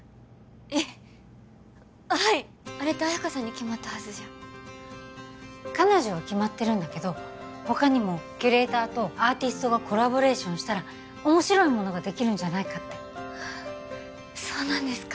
えっはいっあれって綾香さんに決まったはずじゃ彼女は決まってるんだけど他にもキュレーターとアーティストがコラボレーションしたら面白いものができるんじゃないかってそうなんですか？